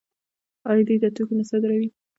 آیا دوی دا توکي نه صادروي؟